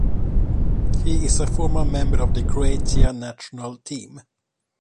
He is a former member of the Croatia national team.